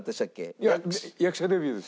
いや役者デビューですよ。